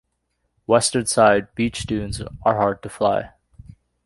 Western side - beach dunes are hard to fly.